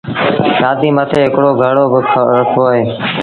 نآديٚ مٿي هڪڙو گھڙو با رکبو اهي۔